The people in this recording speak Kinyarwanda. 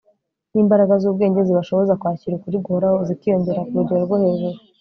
n'imbaraga z'ubwenge zibashoboza kwakira ukuri guhoraho zikiyongera ku rugero rwo hejuru